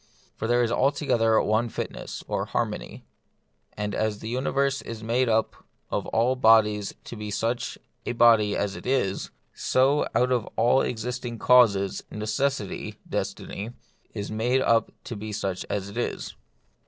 For there is altogether one fitness (or harmony.) And as the uni verse is made up out of all bodies to be such a body as it is, so out of all existing causes necessity (destiny) is made up to be such as it is.